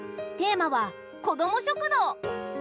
テーマは「こども食堂」。